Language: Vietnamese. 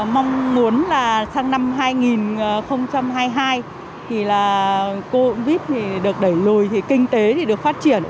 mong muốn là sang năm hai nghìn hai mươi hai thì covid được đẩy lùi kinh tế được phát triển